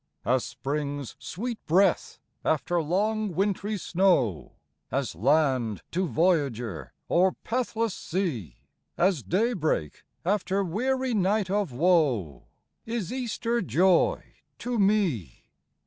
As spring's sweet breath after long wintry snow, As land to voyager o'er pathless sea, As daybreak after weary night of woe, Is Easter joy to me.